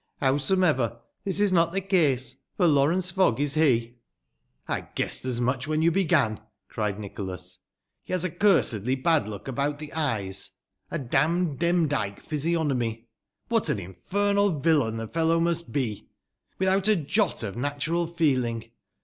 Howsomever, this is not the case, for Lawrence Fogg is he." " I guessed as much when you began," cried Nicholas. " He has a cursedly bad look about the eyes — a damned Demdike physiognomy, What an infernal villain the f ellow must be ! THE LANCASHIBE WITCHES. 461 without a jot of natural feeling.